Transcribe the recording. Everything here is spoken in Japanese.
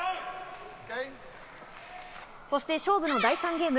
そして勝負の第３ゲーム。